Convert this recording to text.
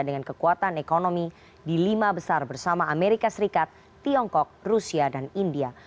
dengan kekuatan ekonomi di lima besar bersama amerika serikat tiongkok rusia dan india